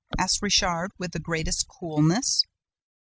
asked Richard, with the greatest coolness.